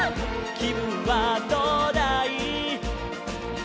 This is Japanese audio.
「きぶんはどうだい？」